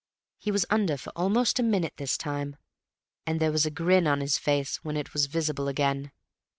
He was under for almost a minute this time, and there was a grin on his face when it was visible again.